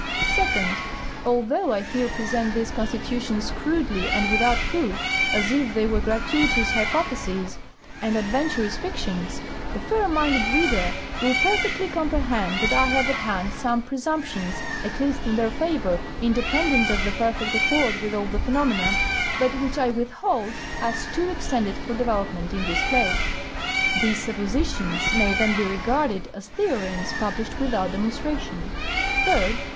Second. Although I here present these constitutions crudely and without proof, as if they were gratuitous hypotheses and adventurous fictions, the fair minded reader will perfectly comprehend that I have at hand some presumptions, at least, in their favor (independent of the perfect accord with all the phenomena), but which I withhold as too extended for development in this place. These suppositions may then be regarded as theorems published without demonstration. Third.